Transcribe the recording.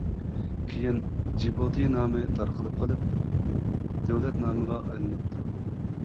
كېيىن جىبۇتى نامى تارقىلىپ قېلىپ، دۆلەت نامىغا ئايلىنىپتۇ.